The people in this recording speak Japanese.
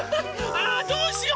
ああどうしよう！